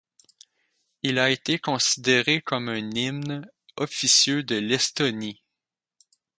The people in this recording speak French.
Il a été considéré comme un hymne officieux de l'Estonie.